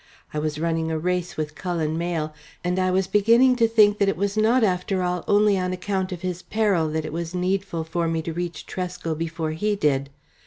I was running a race with Cullen Mayle, and I was beginning to think that it was not after all only on account of his peril that it was needful for me to reach Tresco before he did.